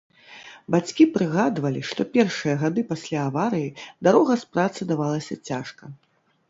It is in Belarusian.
Бацькі прыгадвалі, што першыя гады пасля аварыі дарога з працы давалася цяжка.